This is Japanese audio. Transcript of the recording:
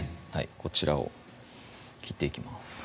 こちらを切っていきます